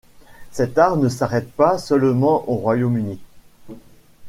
Cet art ne s'arrête pas seulement au Royaume-Uni.